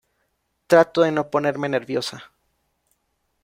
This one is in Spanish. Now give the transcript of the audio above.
Trato de no ponerme nerviosa.